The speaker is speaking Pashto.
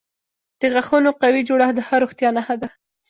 د غاښونو قوي جوړښت د ښه روغتیا نښه ده.